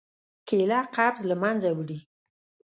کېله قبض له منځه وړي.